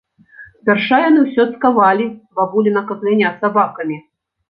Спярша яны ўсё цкавалі бабуліна казляня сабакамі.